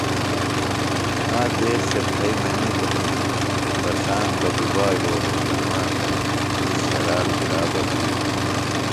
آ دیس سےۡ پھئیۡ منِیتوۡ ہنوۡ کیۡ ”بساند بہ گُبا یھولوۡ توۡ ما تھےۡ نِس شرال گِرا بہ بِیڑ“